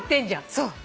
そう。